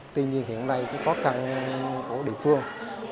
tuy nhiên hiện nay cái khó khăn của địa phương